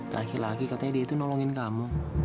laki laki katanya dia itu nolongin kamu